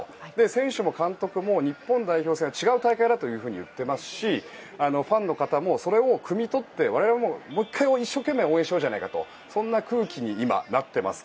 選手も監督も日本代表戦は違うと言っていますしファンの方もそれをくみ取って我々、もう１回一生懸命応援しようとそんな空気に今なっています。